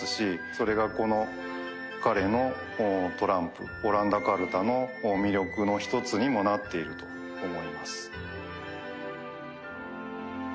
それがこの彼のトランプオランダカルタの魅力の一つにもなっていると思います。